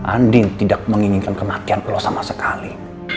andien tidak menginginkan kematian lo sama sekali